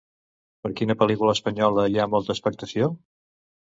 Per quina pel·lícula espanyola hi ha molta expectació?